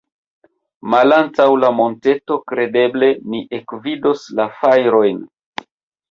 Malantaŭ la monteto, kredeble, ni ekvidos la fajrojn.